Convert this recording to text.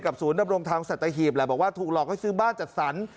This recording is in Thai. ศูนย์ดำรงทางสัตหีบแหละบอกว่าถูกหลอกให้ซื้อบ้านจัดสรร